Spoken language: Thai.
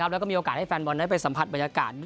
แล้วก็มีโอกาสให้แฟนบอลได้ไปสัมผัสบรรยากาศด้วย